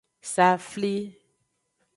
Safli.